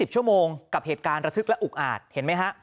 ๑ชั่วโมงกับเหตุการณ์ระทึกและอุกอาจเห็นไหมฮะ